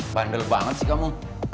bandel banget sih kamu